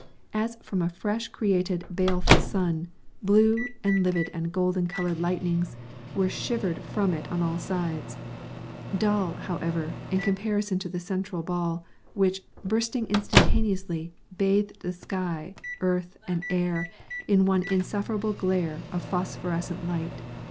As from a fresh created baleful sun, blue and livid and golden colored lightnings were shivered from it on all sides; dull, however, in comparison to the central ball, which, bursting instantaneously, bathed the sky, earth, and air in one insufferable glare of phosphorescent light.